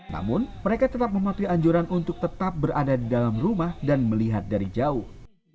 namun mereka tetap mematuhi anjuran untuk tetap berada di dalam rumah dan melihat dari jauh